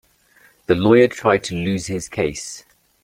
The lawyer tried to lose his case.